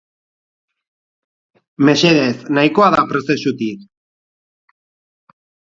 Mesedez, nahikoa da prozesutik!